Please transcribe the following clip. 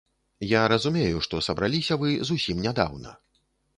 Я разумею, што сабраліся вы зусім нядаўна.